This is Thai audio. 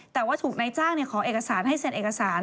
แต่ว่าถูกนายจ้างขอเอกสารให้เซ็นเอกสาร